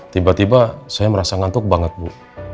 tiba tiba saya merasa ngantuk banget bu